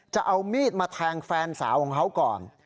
จะเอามีดมาแทงแฟนสาวของเขาก่อน